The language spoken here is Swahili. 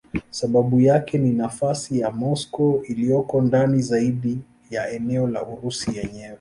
Sababu yake ni nafasi ya Moscow iliyoko ndani zaidi ya eneo la Urusi yenyewe.